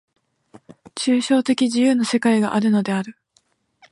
抽象的自由の世界があるのである。